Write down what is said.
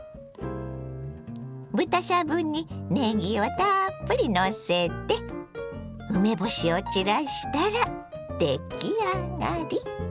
豚しゃぶにねぎをたっぷりのせて梅干しを散らしたら出来上がり！